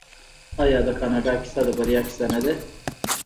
آیا د کاناډا کیسه د بریا کیسه نه ده؟